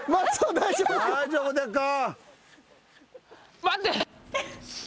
大丈夫ですか？